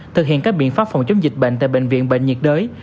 thực hiện các biện pháp phòng chống dịch bệnh tại bệnh viện bệnh nhiệt đới